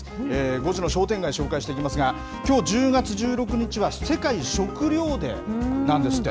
５時の商店街紹介していきますが、きょう１０月１６日は、世界食糧デーなんですって。